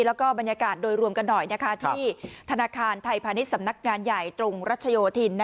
แล้วก็บรรยากาศโดยรวมกันหน่อยที่ธนาคารไทยพาณิชย์สำนักงานใหญ่ตรงรัชโยธิน